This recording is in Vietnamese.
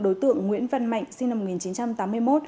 đối tượng nguyễn văn mạnh sinh năm một nghìn chín trăm tám mươi một